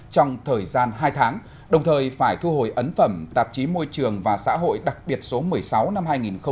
trong thời gian hai tháng đồng thời phải thu hồi ấn phẩm tạp chí môi trường và xã hội đặc biệt số một mươi sáu năm hai nghìn một mươi chín